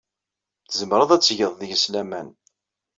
Tzemred ad tged deg-s laman.